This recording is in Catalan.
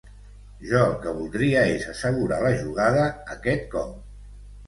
Jo el que voldria és assegurar la jugada, aquest cop.